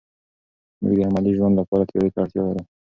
موږ د عملي ژوند لپاره تیوري ته اړتیا لرو.